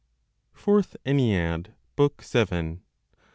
FOURTH ENNEAD, BOOK SEVEN.